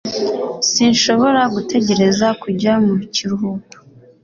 sinshobora gutegereza kujya mu kiruhuko